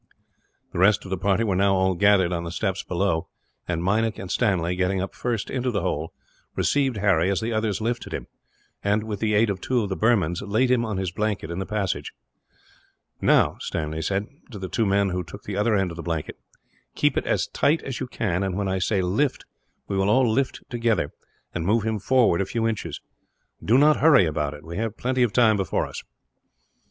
The rest of the party were now all gathered, on the steps below; and Meinik and Stanley, getting up first into the hole, received Harry as the others lifted him and, with the aid of two of the Burmans, laid him on his blanket in the passage. "Now," Stanley said, to the two men who took the other end of the blanket, "keep it as tight as you can and, when I say 'lift,' we will all lift together, and move him forward a few inches. Do not hurry over it we have plenty of time before us."